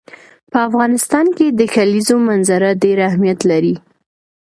په افغانستان کې د کلیزو منظره ډېر اهمیت لري.